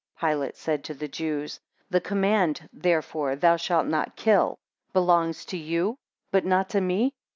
5 Pilate said to the Jews, The command, therefore, thou shalt not kill, belongs to you, but not to me.